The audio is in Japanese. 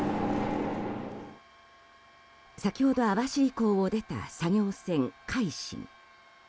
先ほど網走港を出た作業船「海進」。